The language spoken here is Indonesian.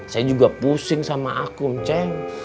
saya juga pusing sama akun ceng